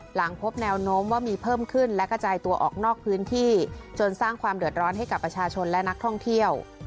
หลังพบแนวโน้มว่ามีเพิ่มขึ้นและกระจายตัวออกนอกพื้นที่จนสร้างความเดือดร้อนให้กับประชาชนและนักท่องเที่ยว